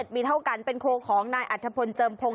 อายุ๗ปีเท่ากันเป็นโคลของนายอัธพนธ์เจิมโพง